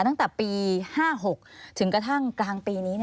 ตั้งแต่ปี๕๖ถึงกระทั่งกลางปีนี้